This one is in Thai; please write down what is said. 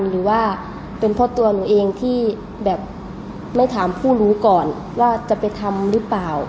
หรือว่าเป็นเพราะตัวหนูเองที่แบบไม่ถามผู้รู้ก่อนว่าจะไปทำหรือเปล่า